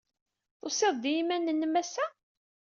Tusid-d i yiman-nnem, ass-a?